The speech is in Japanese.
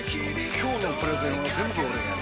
今日のプレゼンは全部俺がやる！